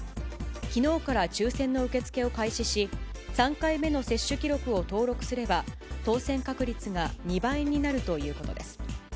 きのうから抽せんの受け付けを開始し、３回目の接種記録を登録すれば、当せん確率が２倍になるということです。